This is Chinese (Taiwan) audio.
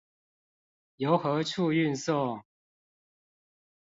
由何處運送？